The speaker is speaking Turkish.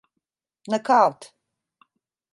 Nakavt!